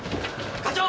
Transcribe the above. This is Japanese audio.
課長！